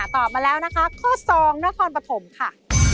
ตอบมาแล้วนะคะข้อ๒นครปฐมค่ะ